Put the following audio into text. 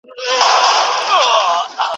په شنو دښتونو کي مو توري خېمې وساتلې